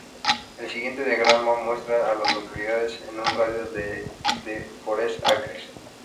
El siguiente diagrama muestra a las localidades en un radio de de Forest Acres.